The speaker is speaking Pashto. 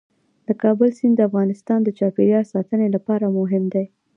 د کابل سیند د افغانستان د چاپیریال ساتنې لپاره مهم دي.